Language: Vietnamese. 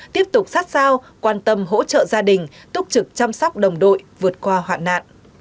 tiếp tục sát sao quan tâm hỗ trợ gia đình túc trực chăm sóc đồng đội vượt qua hoạn nạn